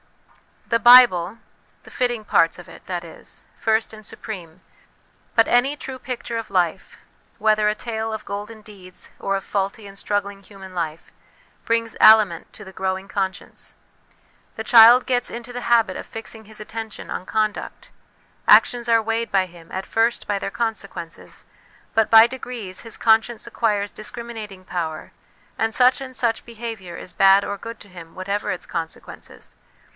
The Bible (the fitting parts of it, that is) first and supreme ; but any true picture of life, whether a tale of golden deeds or of faulty and struggling human life, brings aliment to the growing conscience. The child gets into the habit of fixing his attention on conduct ; actions are weighed by him, at first, by their conse quences, but by degrees his conscience acquires dis criminating power, and such and such behaviour is bad or good to him whatever its consequences.